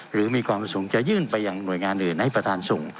หรือมีความประสงค์จะยื่นไปอย่างหน่วยงานอื่นให้ประธานส่ง